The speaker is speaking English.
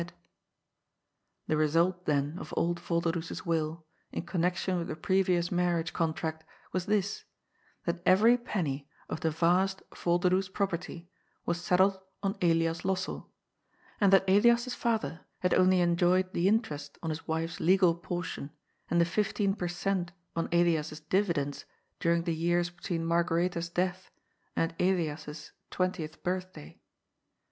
THB HEAD OF THE FIRM, 115 The result, then, of old Volderdoes's will, in connection with the previous marriage contract, was this, that eyery penny of the vast Volderdoes property was settled on Elias Lossell, and that Elias's father had only enjoyed the in terest on his wife's legal portion and the fifteen per cent, on Elias's dividends during the years between Margaretha's death and Elias's twentieth birthday.